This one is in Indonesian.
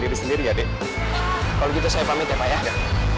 terima kasih ya